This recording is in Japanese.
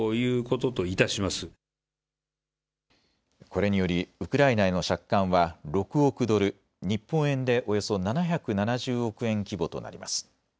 これによりウクライナへの借款は６億ドル、日本円でおよそ７７０億円規模となります。